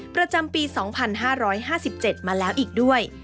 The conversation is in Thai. ประจำปี๒๕๕๗มาแล้วอีกด้วย